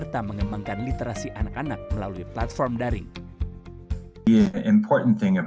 dan mengembangkan literasi anak anak melalui platform daring